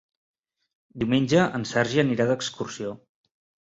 Diumenge en Sergi anirà d'excursió.